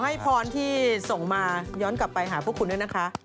ให้พรที่ส่งมาย้อนกลับไปหาพวกคุณด้วยนะคะ